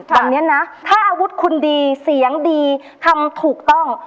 ตอนนี้นะถ้าอาวุธคุณดีเสียงดีทำถูกต้อง